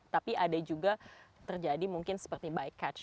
tapi ada juga terjadi mungkin seperti bycatch